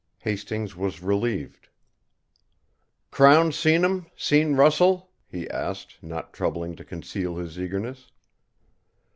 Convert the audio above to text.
Hastings was relieved. "Crown's seen him, seen Russell?" he asked, not troubling to conceal his eagerness.